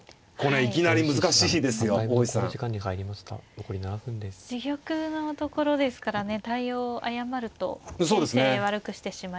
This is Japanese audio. いきなり難しいですよ大石さん。自玉のところですからね対応を誤ると形勢悪くしてしまいますし。